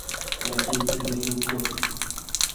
Лакей предложил кофе.